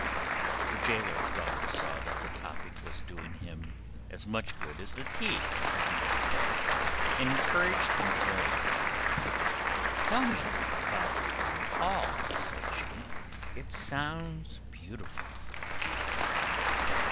The gaoler's daughter saw that the topic was doing him as much good as the tea, as indeed it was, and encouraged him to go on. "Tell me about Toad Hall," said she. "It sounds beautiful."